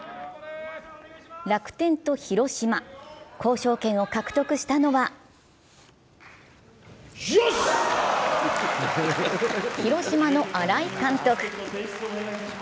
楽天と広島、交渉権を獲得したのは広島の新井監督。